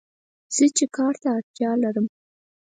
زه چې کار ته اړتیا لرم